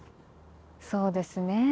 そうですね。